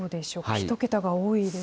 １桁が多いです。